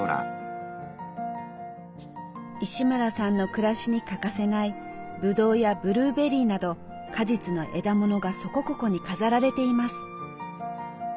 石村さんの暮らしに欠かせないブドウやブルーベリーなど果実の枝ものがそこここに飾られています。